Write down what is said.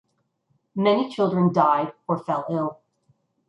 Many children died or fell ill.